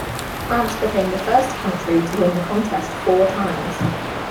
France became the first country to win the contest four times.